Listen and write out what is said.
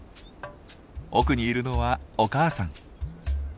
奥にいるのはお母さん。